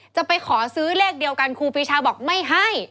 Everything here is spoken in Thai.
จะไปขอซื้อเลขเดียวกันครูปีชาบอกไม่ให้